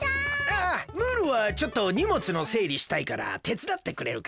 ああムールはちょっとにもつのせいりしたいからてつだってくれるか？